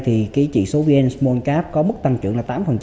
thì cái chỉ số vn small cap có mức tăng trưởng là tám